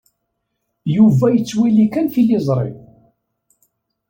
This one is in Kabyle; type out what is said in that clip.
Yuba yettwali kan tiliẓri.